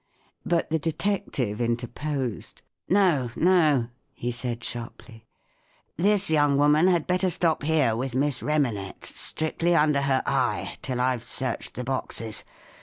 But the detective interposed. " No, no," he said, sharply. " This young woman had better stop here with Miss Remanet—strictly under her eye—till I've searched the boxes.